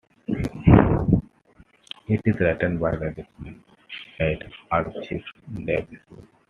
It is written by Disney's head archivist, Dave Smith.